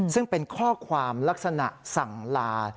ซึ่งเป็นข้อความลักษณะสั่งลา